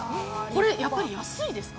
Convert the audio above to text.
やっぱり安いですか？